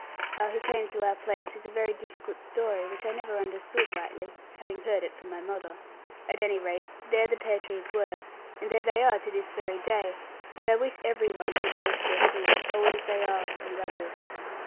How he came to our place is a very difficult story, which I never understood rightly, having heard it from my mother. At any rate, there the pear trees were, and there they are to this very day; and I wish every one could taste their fruit, old as they are, and rugged.